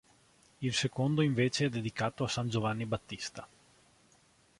Il secondo invece è dedicato a San Giovanni Battista.